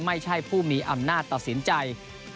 ไม่ใช่ผู้มีอำนาจตัดสินใจ